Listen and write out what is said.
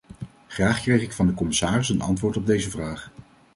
Graag kreeg ik van de commissaris een antwoord op deze vraag.